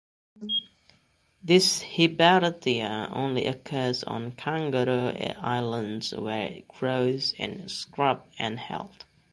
This hibbertia only occurs on Kangaroo Island where it grows in scrub and heath.